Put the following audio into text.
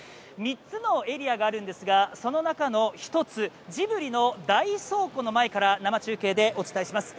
３つのエリアがあるんですがその中の一つジブリの大倉庫の前から生中継でお伝えします